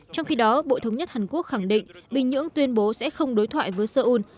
trong khi đó bộ thống nhất hàn quốc khẳng định bình nhưỡng tuyên bố sẽ không đối thoại với seoul